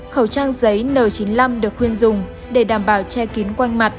khẩu trang giấy n chín mươi năm được khuyên dùng để đảm bảo che kín quanh mặt